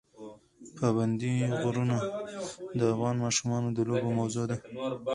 پابندی غرونه د افغان ماشومانو د لوبو موضوع ده.